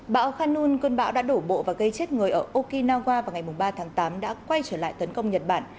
bão khanun cơn bão đã đổ bộ và gây chết người ở okinawa vào ngày ba tháng tám đã quay trở lại tấn công nhật bản